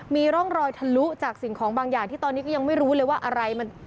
มีร่องรอยทะลุจากสิ่งของบางอย่างที่ตอนนี้ก็ยังไม่รู้เลยว่าอะไรมัน